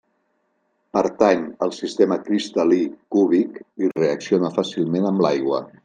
Pertany al sistema cristal·lí cúbic i reacciona fàcilment amb l'aigua.